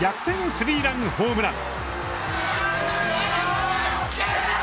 スリーランホームラン。